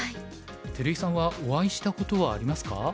照井さんはお会いしたことはありますか？